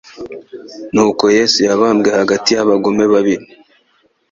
Nk'uko Yesu yabambwe hagati y'abagome babiri,